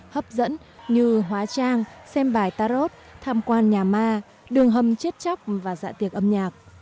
hấp dẫn như hóa trang xem bài tarot tham quan nhà ma đường hầm chết chóc và dạ tiệc âm nhạc